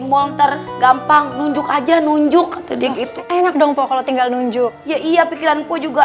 motor gampang nunjuk aja nunjuk jadi gitu enak dong kalau tinggal nunjuk ya iya pikiran gue juga